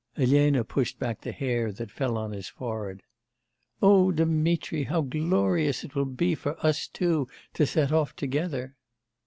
Elena pushed back the hair that fell over on his forehead. 'O Dmitri! how glorious it will be for us two to set off together!